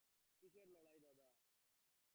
কিসের লড়াই দাদা?